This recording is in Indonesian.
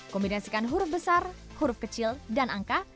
kombinasikan huruf besar huruf kecil dan angka